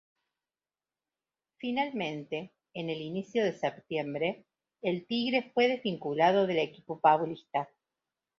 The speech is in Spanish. Finalmente, en el inicio de septiembre, el "Tigre" fue desvinculado del equipo paulista.